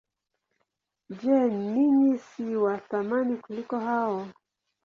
Je, ninyi si wa thamani kuliko hao?